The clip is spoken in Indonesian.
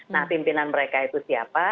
nah pimpinan mereka itu siapa